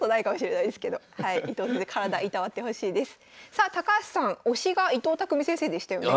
さあ高橋さん推しが伊藤匠先生でしたよね。